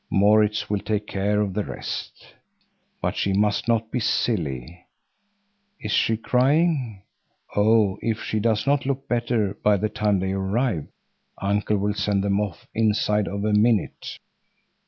Maurits will take care of the rest. But she must not be silly. Is she crying—! Oh, if she does not look better by the time they arrive, Uncle will send them off inside of a minute.